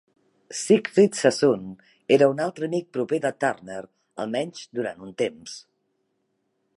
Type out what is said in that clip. Siegfried Sassoon era un altre amic proper de Turner, almenys durant un temps.